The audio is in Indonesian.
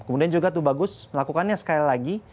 kemudian juga tubagus melakukannya sekali lagi